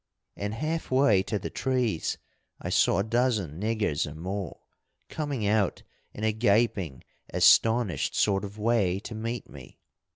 And half way to the trees I saw a dozen niggers or more, coming out in a gaping, astonished sort of way to meet me.